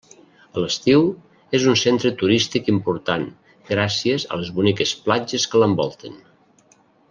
A l'estiu, és un centre turístic important gràcies a les boniques platges que l'envolten.